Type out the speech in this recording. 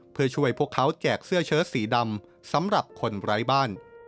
เพื่อช่วยพวกเขาแจกเสื้อเชิดสีดำสำหรับคนไร้บ้าน